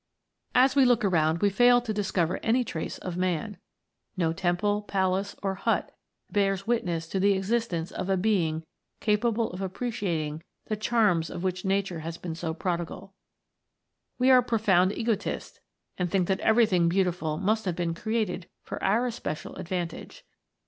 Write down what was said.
As we look around we fail to discover any trace of man no temple, palace, nor hut bears witness to the existence of a being capable of appreciating the charms of which nature has been so prodigal. We are profound egotists, and think that everything beautiful must have been created for our especial advantage.